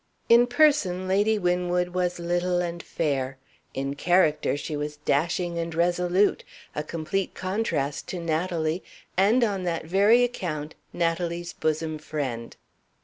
In person, Lady Winwood was little and fair. In character, she was dashing and resolute a complete contrast to Natalie, and (on that very account) Natalie's bosom friend.